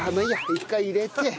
一回入れて。